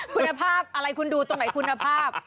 คุณภาพอะไรคุณดูตรงไหนคุณภาพ